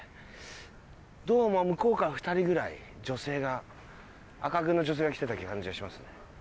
どうも向こうから２人ぐらい女性が赤軍の女性が来てた感じがしますね。